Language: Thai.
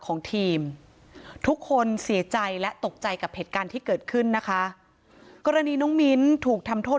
ของทีมทุกคนเสียใจและตกใจกับเหตุการณ์ที่เกิดขึ้นนะคะกรณีน้องมิ้นถูกทำโทษ